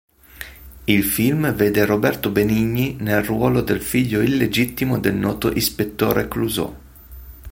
Il film vede Roberto Benigni nel ruolo del figlio illegittimo del noto Ispettore Clouseau.